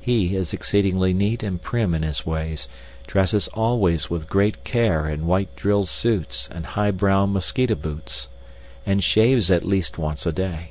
He is exceedingly neat and prim in his ways, dresses always with great care in white drill suits and high brown mosquito boots, and shaves at least once a day.